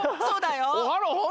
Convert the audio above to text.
そうだよ！